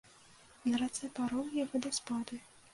На рацэ парогі і вадаспады.